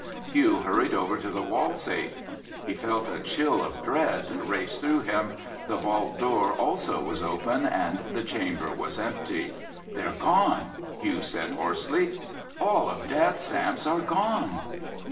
Hugh hurried over to the wall safe. He felt a chill of dread race through him. The vault door also was open and the chamber was empty. "They're gone!" Hugh said hoarsely. "All of Dad's stamps are gone!"